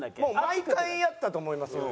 毎回やったと思いますよ。